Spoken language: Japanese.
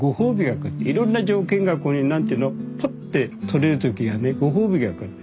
いろんな条件がこうね何て言うのポッて撮れる時はねご褒美がくる。